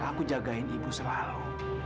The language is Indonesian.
aku jagain ibu selalu